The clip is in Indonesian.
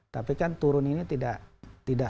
tapi kan turun ini tidak